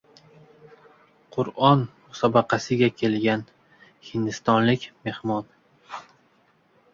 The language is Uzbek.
Qur’on musobaqasiga kelgan hindistonlik mehmon